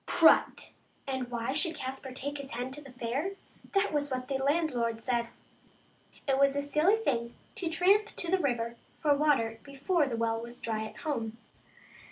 Prut! And why should Caspar take his hen to the fair? That was what the landlord said. It was a silly thing to tramp to the river for water before the well was dry at home.